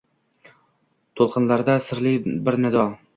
To’lqinlarda sirli bir nido